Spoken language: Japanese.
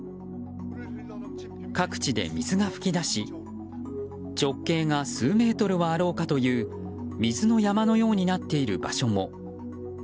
各地で水が噴き出し直径が数メートルはあろうかという水の山のようになっている場所も。